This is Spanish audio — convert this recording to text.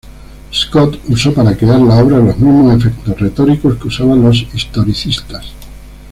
Scott usó para crear la obra los mismos efectos retóricos que usaban los historicistas.